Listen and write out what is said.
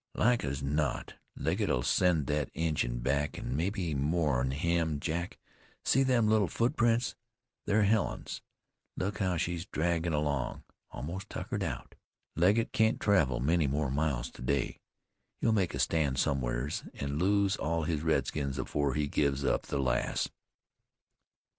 "Like as not. Legget'll send thet Injun back, an' mebbe more'n him. Jack, see them little footprints? They're Helen's. Look how she's draggin' along. Almost tuckered out. Legget can't travel many more miles to day. He'll make a stand somewheres, an' lose all his redskins afore he gives up the lass."